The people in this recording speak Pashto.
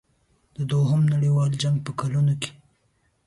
د دوهم نړیوال جنګ په کلونو کې.